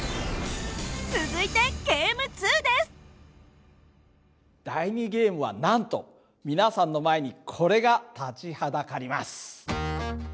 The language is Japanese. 続いて第２ゲームはなんと皆さんの前にこれが立ちはだかります。